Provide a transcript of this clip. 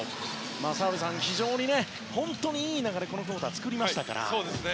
澤部さん、本当にいい流れをこのクオーター作りましたから。